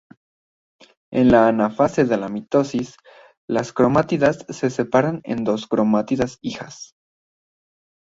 En la Anafase de la mitosis, las cromátidas se separan en dos "cromátidas hijas".